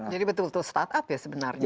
jadi betul betul startup ya sebenarnya ya